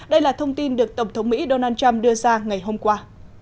đây là thông tin được tổng thống mỹ donald trump đưa ra ngày hôm qua